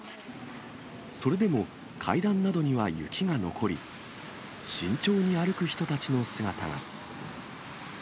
それでも階段などには雪が残り、慎重に歩く人たちの姿が。